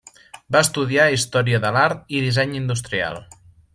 Va estudiar Història de l'art i Disseny industrial.